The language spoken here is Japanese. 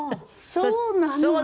そうなのよ。